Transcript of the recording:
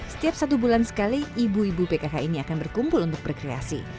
setiap satu bulan sekali ibu ibu pkk ini akan berkumpul untuk berkreasi